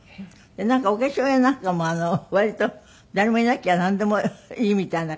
なんかお化粧やなんかも割と誰もいなきゃなんでもいいみたいな感じなんですって？